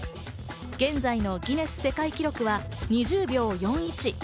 現在のギネス世界記録は２０秒４１。